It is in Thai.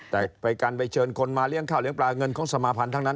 แต่การไปเชิญคนมาเลี้ยงข้าวเลี้ยปลาเงินของสมาพันธ์ทั้งนั้น